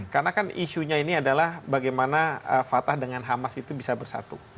karena kan isunya ini adalah bagaimana fatah dengan hamas itu bisa bersatu